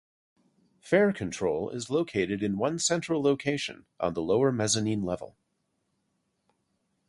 Fare control is located in one central location on the lower mezzanine level.